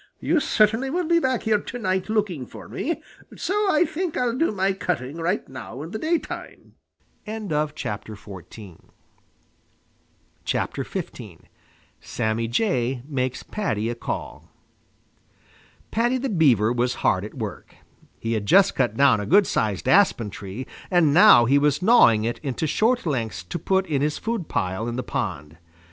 You certainly will be back here to night looking for me, so I think I'll do my cutting right now in the daytime." XV SAMMY JAY MAKES PADDY A CALL Paddy the Beaver was hard at work. He had just cut down a good sized aspen tree and now he was gnawing it into short lengths to put in his food pile in the pond.